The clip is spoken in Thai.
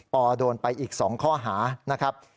โดนไปอีก๒ข้อหานะครับ